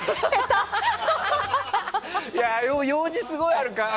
用事すごいあるから。